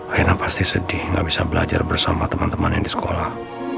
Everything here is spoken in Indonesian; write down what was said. rena pasti sedih gak bisa belajar bersama teman temannya di sekolah